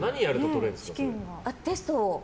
テストを。